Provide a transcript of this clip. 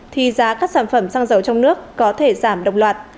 thì giá các sản phẩm xăng dầu trong nước có thể giảm đồng loạt